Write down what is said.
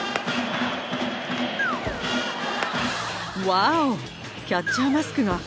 ワオ！